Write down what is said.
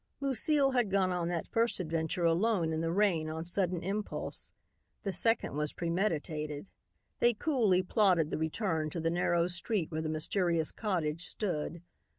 Lucile had gone on that first adventure alone in the rain on sudden impulse. The second was premeditated. They coolly plotted the return to the narrow street where the mysterious cottage stood.